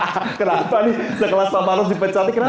kenapa nih sekelas tamarung dipecat kenapa